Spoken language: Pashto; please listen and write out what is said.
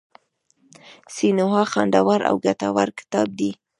سینوهه خوندور او ګټور کتاب دی.